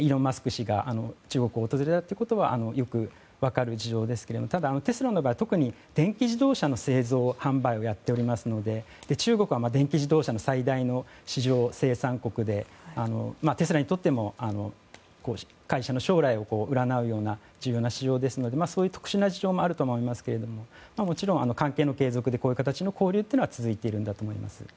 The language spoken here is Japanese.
氏が中国を訪れたということはよく分かる事情ですけれどもただ、テスラの場合特に電気自動車の製造・販売をやっておりますので中国は電気自動車の最大の市場生産国で、テスラにとっても会社の将来を占うような重要な市場ですのでそういう特殊な事情もあると思いますけれどももちろん、関係の継続でこういう形の交流というのは続いているんだと思います。